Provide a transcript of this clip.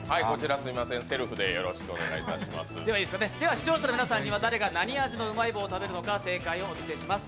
視聴者の皆さんには誰が何味を食べるのか正解をお見せします。